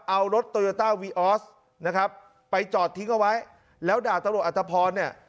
เอารถนะครับไปจอดทิ้งเอาไว้แล้วดาบตำรวจอัตพรเนี่ย